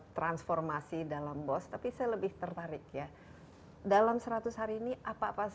transformasi dalam bos tapi saya lebih tertarik ya dalam seratus hari ini apa apa yang bisa kita lakukan untuk membangun pendidikan dalam seratus hari ini